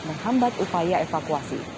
menghambat upaya evakuasi